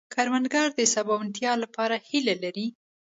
کروندګر د سباوونتیا لپاره هيله لري